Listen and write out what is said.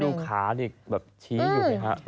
ดูขาเนี่ยแบบชี้อยู่เนี่ยค่ะ